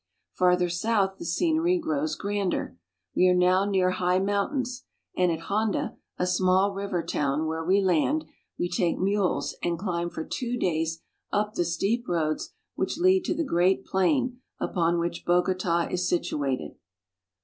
Farther south the scenery grows grander. We are now near high mountains, and at Honda, a small river town, where we land, we take mules and climb for two days up the steep roads which lead to the great plain upon which Bogota is situated.